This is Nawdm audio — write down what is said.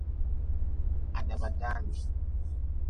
Ha daba daan.